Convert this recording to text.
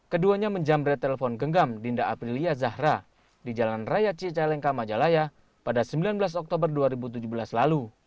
keduanya menjamret telepon genggam dinda aprilia zahra di jalan raya cicalengka majalaya pada sembilan belas oktober dua ribu tujuh belas lalu